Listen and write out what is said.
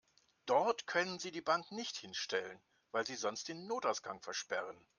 Dort können Sie die Bank nicht hinstellen, weil Sie sonst den Notausgang versperren.